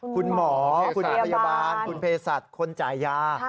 คุณหมอคุณพยาบาลคุณเพศัตริย์คนจ่ายยา